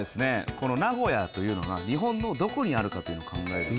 この名古屋というのが日本のどこにあるかというのを考えると。